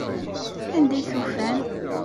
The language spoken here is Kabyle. Anda i t-ufan?